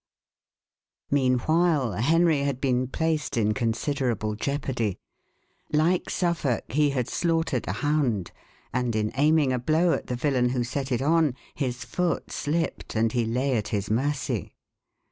Meanwhile, Henry had been placed in considerable jeopardy. Like Suffolk, he had slaughtered a hound, and, in aiming a blow at the villain who set it on, his foot slipped, and he lay at his mercy.